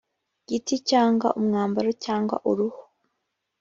giti cyangwa umwambaro cyangwa uruhu